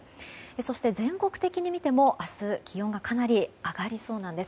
そして、全国的に見ても明日、気温がかなり上がりそうなんです。